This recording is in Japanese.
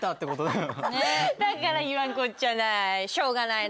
だから言わんこっちゃない。